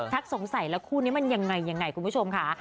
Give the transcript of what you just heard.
ชักสงสัยแล้วคู่นี้มันยังไงคุณผู้ชมค่ะ